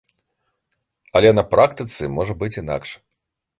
Але на практыцы можа быць інакш.